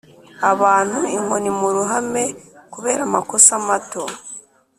abantu inkoni mu ruhame kubera amakosa mato